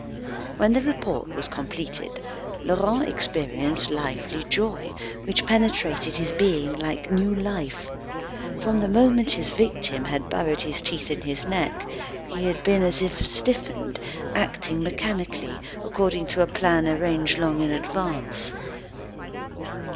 When the report was completed, Laurent experienced lively joy, which penetrated his being like new life. From the moment his victim had buried his teeth in his neck, he had been as if stiffened, acting mechanically, according to a plan arranged long in advance.